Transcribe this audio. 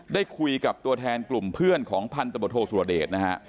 ได้คุยกับตัวแทนกลุ่มเพื่อนของพันธบทโทสุรเดชนะฮะ